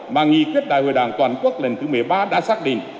mà nghị quyết đại hội đảng toàn quốc lần thứ một mươi ba đã xác định